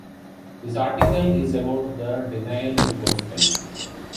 This article is about the denial in Gospel.